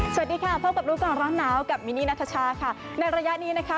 สวัสดีค่ะพบกับรู้ก่อนร้อนหนาวกับมินนี่นัทชาค่ะในระยะนี้นะคะ